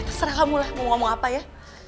terserah kamu lah mau ngomong apa ya